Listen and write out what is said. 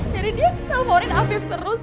jadi dia teleponin afif terus